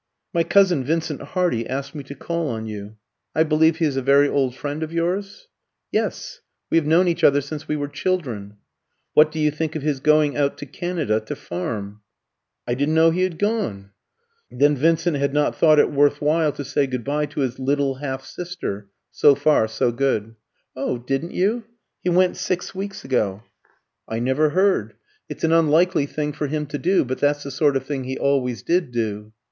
"My cousin Vincent Hardy asked me to call on you. I believe he is a very old friend of yours?" "Yes; we have known each other since we were children." "What do you think of his going out to Canada to farm?" "I didn't know he had gone." (Then Vincent had not thought it worth while to say good bye to his "little half sister." So far, so good.) "Oh, didn't you? He went six weeks ago." "I never heard. It's an unlikely thing for him to do, but that's the sort of thing he always did do."